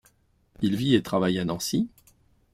Il vit et travaille à Nancy.